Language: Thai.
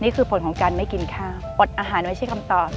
ผลของการไม่กินข้าวอดอาหารไว้ใช้คำตอบ